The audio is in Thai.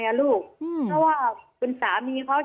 ยายก็ยังแอบไปขายขนมแล้วก็ไปถามเพื่อนบ้านว่าเห็นไหมอะไรยังไง